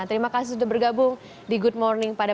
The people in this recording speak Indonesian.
terima kasih sudah bergabung di good morning pada